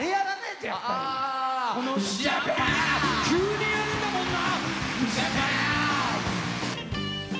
急にやるんだもんな！